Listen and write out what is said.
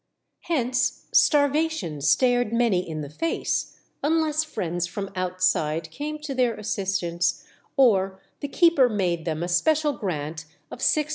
Hence starvation stared many in the face, unless friends from outside came to their assistance, or the keeper made them a special grant of 6_d.